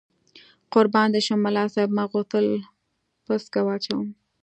قربان دې شم، ملا صاحب ما غوښتل پسکه واچوم.